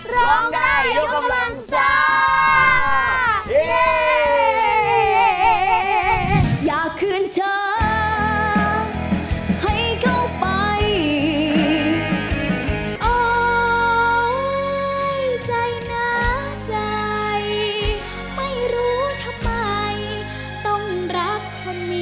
รองได้โลกกำลังเซอร์